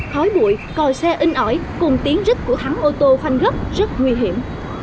khói bụi còi xe in ỏi cùng tiếng rít của thắng ô tô phanh gấp rất nguy hiểm